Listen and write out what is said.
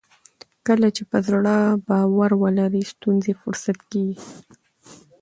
کله چې په زړه باور ولرو ستونزې فرصت کیږي.